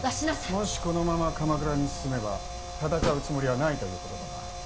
もしこのまま鎌倉に進めば戦うつもりはないということだな。